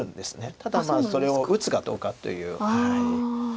ただそれを打つかどうかという。